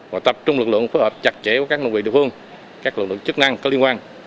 và tập trung lực lượng phối hợp chặt chẽ với các nông vị địa phương các lực lượng chức năng có liên quan